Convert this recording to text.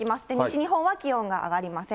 西日本は気温が上がりません。